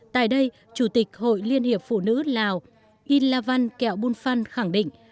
tại đây chủ tịch hội liên hiệp phụ nữ lào yên la văn kẹo bùn phan khẳng định